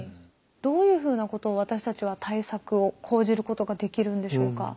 どういうふうなことを私たちは対策を講じることができるんでしょうか？